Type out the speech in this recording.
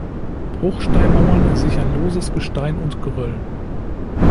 Bruchsteinmauern sichern loses Gestein und Geröll.